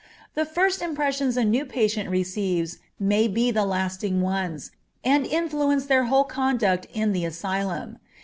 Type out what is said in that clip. The first impressions a new patient receives may be the lasting ones, and influence their whole conduct in the asylum.